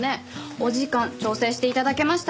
お時間調整して頂けましたか？